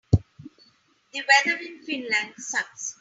The weather in Finland sucks.